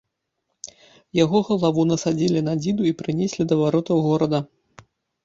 Яго галаву насадзілі на дзіду і прынеслі да варотаў горада.